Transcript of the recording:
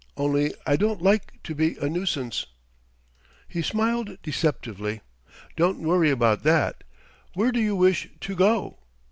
Only, I don't like to be a nuisance " He smiled deceptively: "Don't worry about that. Where do you wish to go?"